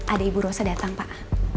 ada ibu rosa datang pak